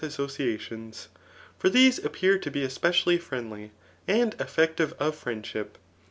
associations; for these appear to be especially friendly, and effective of friend ship.